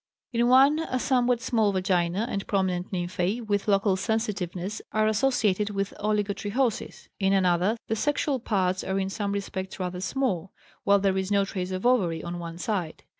In one a somewhat small vagina and prominent nymphæ, with local sensitiveness, are associated with oligotrichosis. In another the sexual parts are in some respects rather small, while there is no trace of ovary on one side.